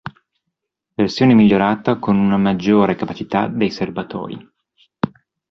Versione migliorata con una maggiore capacità dei serbatoi.